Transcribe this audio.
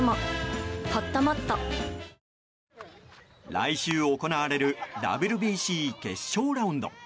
来週行われるＷＢＣ決勝ラウンド。